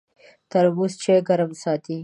ترموز چای ګرم ساتي.